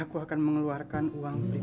aku akan mengeluarkan uang